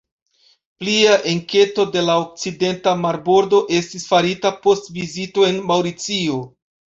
Plia enketo de la okcidenta marbordo estis farita post vizito en Maŭricio.